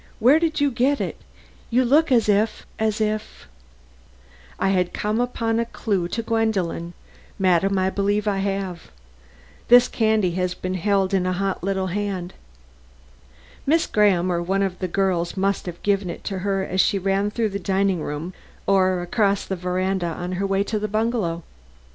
"Where did you get it? You look as if as if " "I had come upon a clue to Gwendolen? Madam, I believe I have. This candy has been held in a hot little hand. Miss Graham or one of the girls must have given it to her as she ran through the dining room or across the side veranda on her way to the bungalow.